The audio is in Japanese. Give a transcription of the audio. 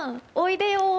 おいでよ！